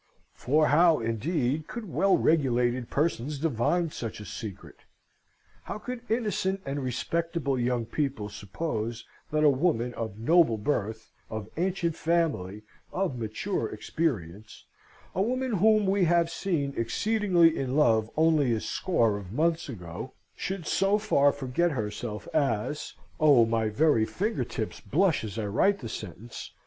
For how, indeed, could well regulated persons divine such a secret? How could innocent and respectable young people suppose that a woman of noble birth, of ancient family, of mature experience, a woman whom we have seen exceedingly in love only a score of months ago, should so far forget herself as (oh, my very finger tips blush as I write the sentence!)